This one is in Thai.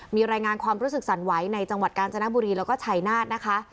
มีรายงานความรู้สึกสั่นไหวในจังหวัดกาญจนบุรีแล้วก็ชัยนาธนะคะ